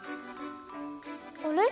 あれ？